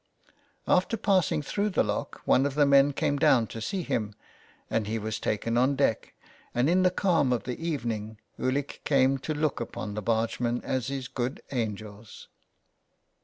After passing through the lock one of the men came down to see him, and he was taken on deck, and 289 T so ON HE FARES. in the calm of the evening Ulick came to look upon the bargemen as his good angels.